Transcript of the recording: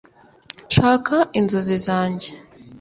shaka inzozi zanjye